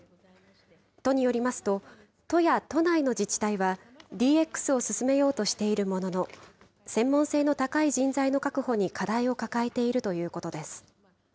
都によりますと、都や都内の自治体は、ＤＸを進めようとしているものの、専門性の高い人材の確保に課題を抱えているということです。